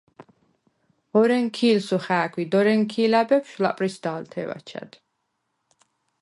ორენქი̄ლსუ ხა̄̈ქვ ი დორენქი̄ლა̈ ბეფშვ ლა̈პრისდა̄ლთე̄ვ აჩა̈დ.